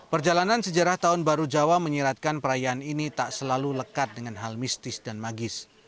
perjalanan sejarah tahun baru jawa menyiratkan perayaan ini tak selalu lekat dengan hal mistis dan magis